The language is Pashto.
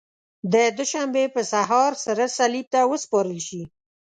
د دوشنبې په سهار سره صلیب ته وسپارل شي.